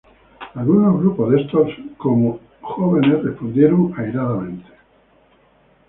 Algunos grupos de estos, como Iglesia Joven, respondieron airadamente.